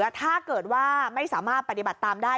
ถ้าเกิดว่าไม่สามารถปฏิบัติตามได้